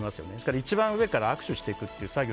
一番上から握手していくっていう作業。